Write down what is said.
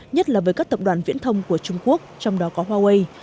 nhất là với các tập đoàn viễn thông của trung quốc trong đó có huawei